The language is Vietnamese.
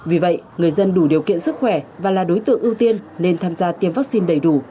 vì vậy người dân đủ điều kiện sức khỏe và là đối tượng ưu tiên nên tham gia tiêm vaccine đầy đủ